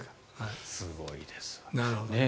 すごいですね。